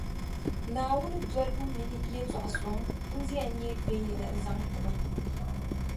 Naawuni dolibu mini yεltɔɣa suŋ, n-di yɛn nyɛ viɛnyɛla n zaŋ ti ba.